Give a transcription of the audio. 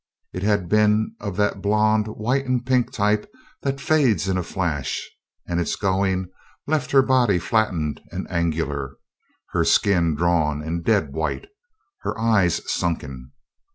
It had been of that blonde white and pink type that fades in a flash, and its going left her body flattened and angular, her skin drawn and dead white, her eyes sunken.